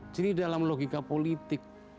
jadi dalam logika politik